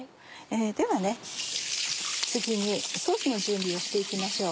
では次にソースの準備をして行きましょう。